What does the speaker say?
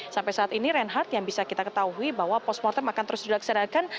sampai saat ini reinhardt yang bisa kita ketahui bahwa post mortem akan terus dilaksanakan